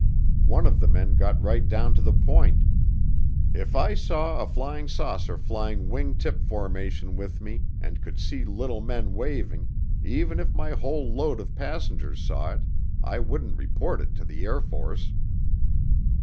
One of the men got right down to the point: "If I saw a flying saucer flying wing tip formation with me and could see little men waving even if my whole load of passengers saw it I wouldn't report it to the Air Force."